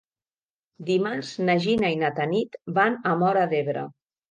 Dimarts na Gina i na Tanit van a Móra d'Ebre.